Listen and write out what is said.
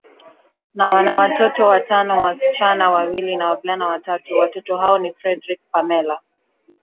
na wana watoto watano wasichana wawili na wavulana watatu Watoto hao ni Fredrick Pamella